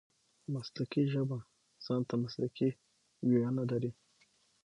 مسلکي ژبه ځان ته مسلکي وییونه لري.